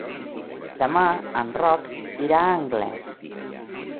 Demà en Roc irà a Anglès.